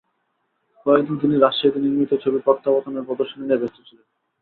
কয়েক দিন তিনি রাজশাহীতে নির্মিত ছবি প্রত্যাবর্তন-এর প্রদর্শনী নিয়ে ব্যস্ত ছিলেন।